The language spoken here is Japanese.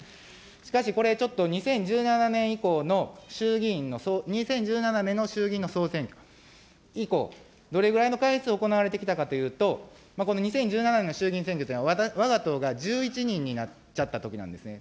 しかしこれ、ちょっと２０１７年以降の衆議院の、２０１７年の衆議院の総選挙以降、どれぐらいの回数行われてきたかというと、この２０１７年の衆議院選挙というのはわが党が１１人になっちゃったときなんですね。